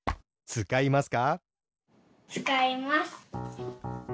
つかいます。